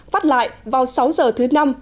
phát lại vào sáu h thứ năm